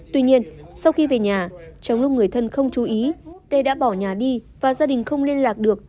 tuy nhiên sau khi về nhà trong lúc người thân không chú ý tê đã bỏ nhà đi và gia đình không liên lạc được